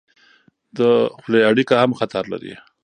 د خولې اړیکه هم خطر لري.